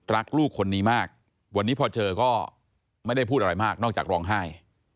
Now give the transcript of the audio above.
รักลูกคนนี้มากวันนี้พอเจอก็ไม่ได้พูดอะไรมากนอกจากร้องไห้